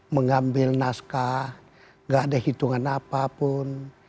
mengambil naskah nggak ada hitungan apapun